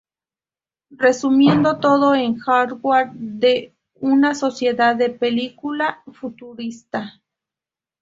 Resumiendo, todo el hardware de una sociedad de película futurista.